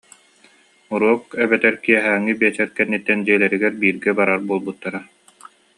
Уруок эбэтэр киэһээҥҥи биэчэр кэнниттэн дьиэлэригэр бииргэ барар буолбуттара